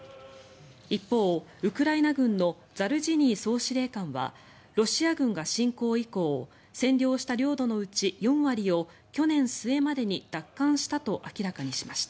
一方、ウクライナ軍のザルジニー総司令官はロシア軍が侵攻以降占領した領土のうち４割を去年末までに奪還したと明らかにしました。